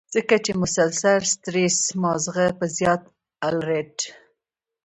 ځکه چې مسلسل سټرېس مازغۀ پۀ زيات الرټ